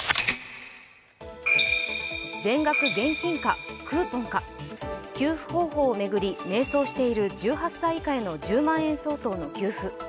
全額現金か、クーポンか給付方法を巡り迷走している１８歳以下への１０万円相当の給付。